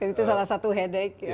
itu salah satu headache ya